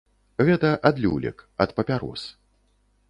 Гэта ад люлек, ад папярос.